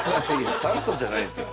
「ちゃんと」じゃないですよ。